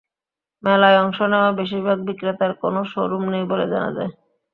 মেলায় অংশ নেওয়া বেশির ভাগ বিক্রেতার কোনো শোরুম নেই বলে জানা যায়।